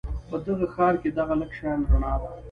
په دې ښار کې دغه لږه شان رڼا ده